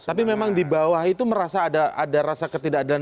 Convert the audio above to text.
tapi memang di bawah itu merasa ada rasa ketidakadilan